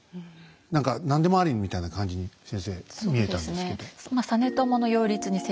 何か何でもありみたいな感じに先生見えたんですけど。